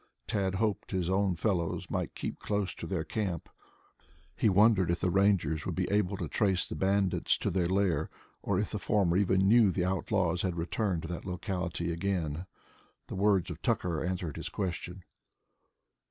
Tad hoped his own fellows might keep close to their camp. He wondered if the Rangers would be able to trace the bandits to their lair, or if the former even knew the outlaws had returned to that locality again. The words of Tucker answered his question.